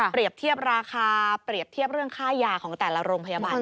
เทียบราคาเปรียบเทียบเรื่องค่ายาของแต่ละโรงพยาบาล